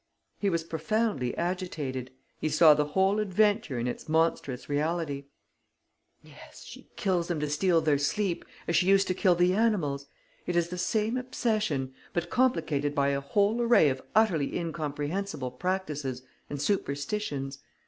He was profoundly agitated. He saw the whole adventure in its monstrous reality. "Yes, she kills them to steal their sleep, as she used to kill the animals. It is the same obsession, but complicated by a whole array of utterly incomprehensible practices and superstitions.